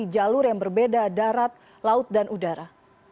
jalur yang berbeda darat laut dan udara